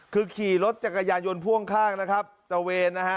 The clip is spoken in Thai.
คือขี่รถจักรยายนพ่วงข้างนะครับตะเวนนะฮะ